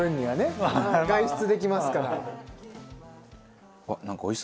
はい。